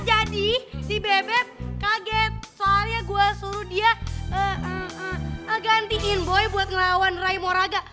jadi si bebek kaget soalnya gue suruh dia gantiin boy buat ngelawan ray moraga